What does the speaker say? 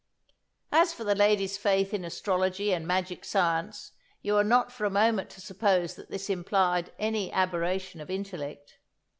"As for the lady's faith in astrology and magic science, you are not for a moment to suppose that this implied any aberration of intellect.